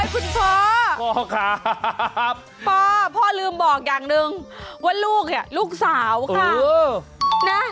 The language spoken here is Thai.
คุณพ่อพ่อครับพ่อพ่อลืมบอกอย่างหนึ่งว่าลูกเนี่ยลูกสาวค่ะนะ